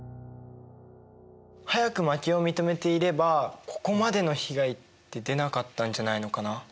早く負けを認めていればここまでの被害って出なかったんじゃないのかな。